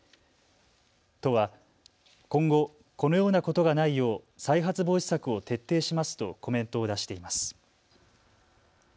都は、今後このようなことがないよう再発防止策を徹底しますとコメントを出しています。